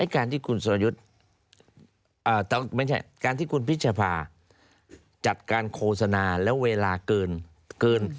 การที่คุณพิชภาจัดการโฆษณาแล้วเวลาเกิน